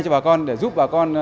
cho bà con để giúp bà con